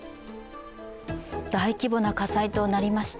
大規模な火災となりました。